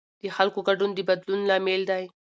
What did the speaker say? د خلکو ګډون د بدلون لامل دی